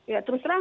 ya terus terang